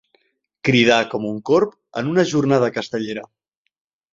Cridar com un corb en una jornada castellera.